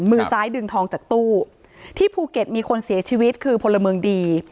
มือซ้ายดึงทองจากตู้ที่ภูเก็ตมีคนเสียชีวิตคือพลเมืองดี